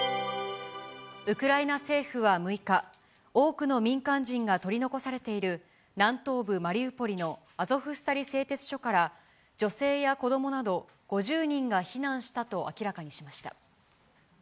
ウクライナ政府は６日、多くの民間人が取り残されている、南東部マリウポリのアゾフスタリ製鉄所から、女性や子どもなど５０人が避難したと明らかにしました。